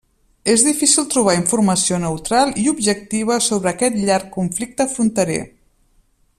És difícil trobar informació neutral i objectiva sobre aquest llarg conflicte fronterer.